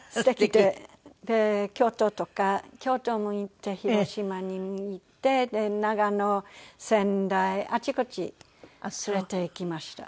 で京都とか京都も行って広島に行って長野仙台あちこち連れて行きました。